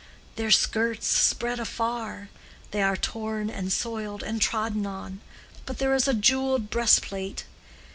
Their skirts spread afar; they are torn and soiled and trodden on; but there is a jeweled breastplate.